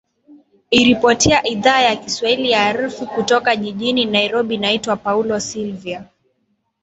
iripotia idhaa ya kiswahili ya rfi kutoka jijini nairobi naitwa paulo silva